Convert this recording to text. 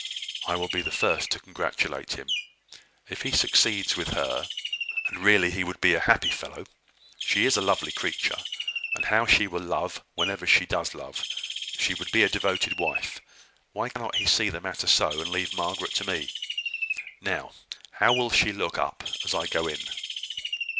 I will be the first to congratulate him, if he succeeds with her: and really he would be a happy fellow. She is a lovely creature; and how she will love whenever she does love! She would be a devoted wife. Why cannot he see the matter so, and leave my Margaret to me? Now, how will she look up as I go in?"